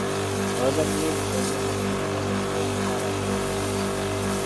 Abazannyi b'emizannyo mu ttiimu basasulwa omusaala gw'omwezi.